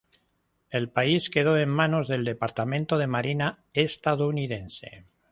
El país quedó en manos del Departamento de Marina estadounidense.